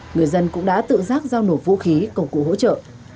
người dân cũng đã tự giác giao nổ vũ khí công cụ hỗ trợ